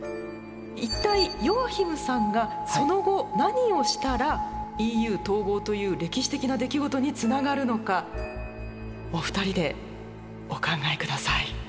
一体ヨアヒムさんがその後何をしたらＥＵ統合という歴史的な出来事につながるのかお二人でお考え下さい。